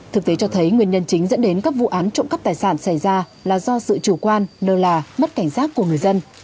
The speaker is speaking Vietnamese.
thực tế cho thấy nguyên nhân chính dẫn đến các vụ án trộm cắp tài sản xảy ra là do sự chủ quan lơ là mất cảnh giác của người dân